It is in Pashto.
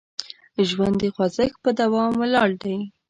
ژوند د خوځښت په دوام ولاړ دی.